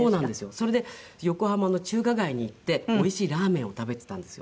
それで横浜の中華街に行っておいしいラーメンを食べていたんですよ。